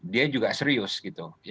dia juga serius gitu